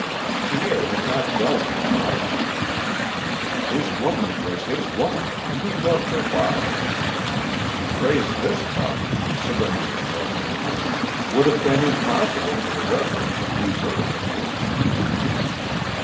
Pierre had not dealt in compliments. His woman was his woman and he loved her body. To praise this body, surrendered in love to him, would have been impossible to the reverence and reserve of his passion.